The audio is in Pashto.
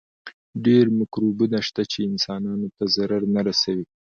ډېر مکروبونه شته چې انسانانو ته ضرر نه رسوي.